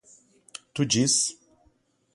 Tu diz?